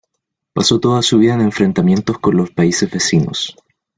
Pasó toda su vida en enfrentamientos con los países vecinos.